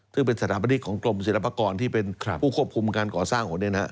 ซึ่งเป็นศาสตราบริกของกลมศิลปกรณ์ที่เป็นผู้คบคุมการก่อสร้างของเดน